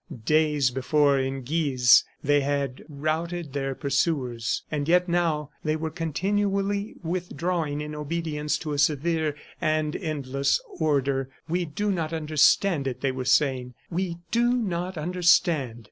Days before in Guise they had routed their pursuers, and yet now they were continually withdrawing in obedience to a severe and endless order. "We do not understand it," they were saying. "We do not understand."